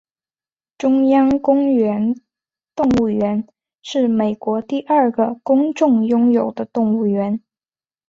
中央公园动物园是美国第二个公众拥有的动物园。